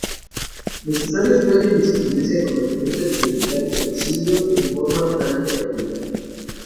Los usuarios pueden inscribirse con documentos de identidad y domicilio, en forma totalmente gratuita.